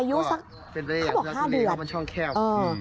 อายุสักเขาบอก๕เดือน